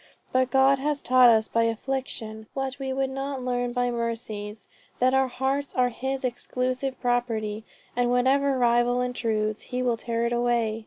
But God has taught us by affliction, what we would not learn by mercies that our hearts are his exclusive property, and whatever rival intrudes, he will tear it away."